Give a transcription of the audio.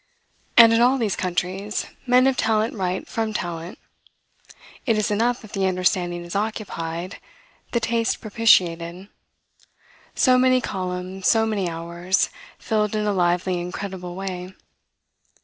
And, in all these countries, men of talent write from talent. It is enough if the understanding is occupied, the taste propitiated, so many columns so many hours, filled in a lively and creditable way.